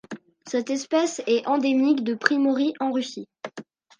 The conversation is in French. Cette espèce est endémique de Primorie en Russie.